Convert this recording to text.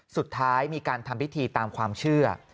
สุดท้ายมีการทำพิธีตามความเชื่อ